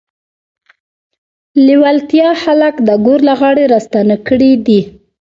لېوالتیا خلک د ګور له غاړې راستانه کړي دي